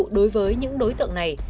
đối với những đối tượng này